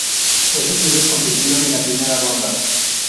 Ocho clubes compitieron en la primera ronda.